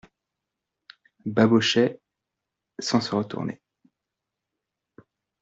Babochet sans se retourner.